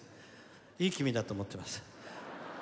いい気味だと思ってます。